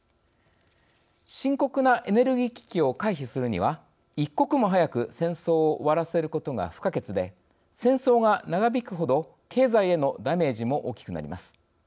深刻なエネルギー危機を回避するには、一刻も早く戦争を終わらせることが不可欠で戦争が長引くほど経済へのダメージも大きくなります。